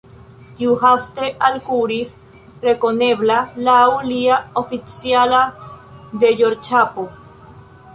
Tiu haste alkuris, rekonebla laŭ lia oficiala deĵorĉapo.